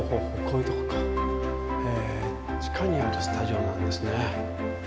へえ地下にあるスタジオなんですね。